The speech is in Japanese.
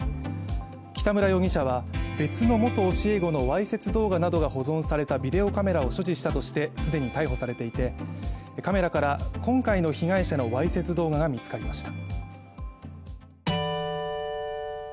北村容疑者は、別の元教え子のわいせつ動画などが保存されたビデオカメラを所持したとして既に逮捕されていてカメラから今回の被害者のわいせつ動画が見つかりました。